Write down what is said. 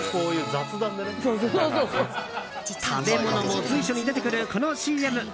食べ物も随所に出てくるこのＣＭ。